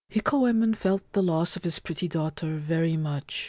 Hikoyemon felt the loss of his pretty daughter very much.